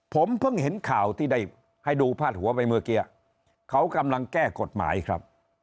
ผมเพิ่งเห็นข่าวที่ได้ให้ดูพาดหัวไปเมื่อกี้เขากำลังแก้กฎหมายครับ